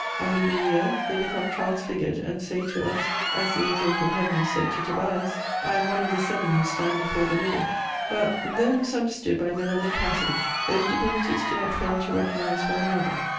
On leaving the earth, they become transfigured, and say to us, as the angel from heaven said to Tobias: "I am one of the seven who stand before the Lord." But, though misunderstood by men on their passage, those divinities do not fail to recognise one another.